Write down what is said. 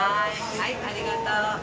はいありがとう。